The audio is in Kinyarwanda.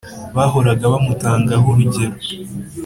bahoraga bamutangaho urugero,